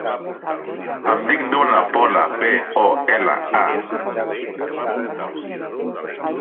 Em dic Duna Pola: pe, o, ela, a.